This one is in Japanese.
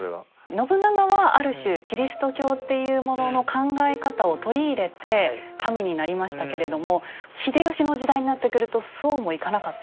信長はある種キリスト教っていうものの考え方を取り入れて神になりましたけれども秀吉の時代になってくるとそうもいかなかった。